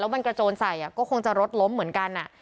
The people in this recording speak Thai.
แล้วมันกระโจนใส่อ่ะก็คงจะรดล้มเหมือนกันอ่ะ